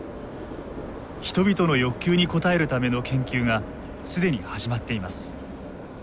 人々の欲求に応えるための研究が既に始まっています。